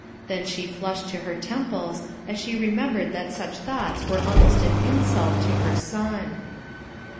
Then she flushed to her temples as she remem bered that such thoughts were almost an insult to her son.